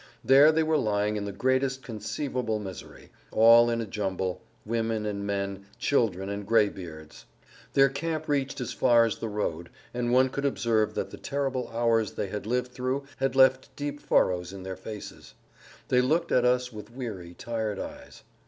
There they were lying in the greatest conceivable misery, all in a jumble, women and men, children and graybeards. Their camp reached as far as the road, and one could observe that the terrible hours they had lived through had left deep furrows in their faces. They looked at us with weary, tired eyes.